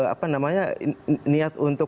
apa namanya niat untuk